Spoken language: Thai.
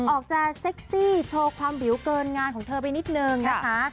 ออกจะเซ็กซี่โชว์ความวิวเกินงานของเธอไปนิดนึงนะคะ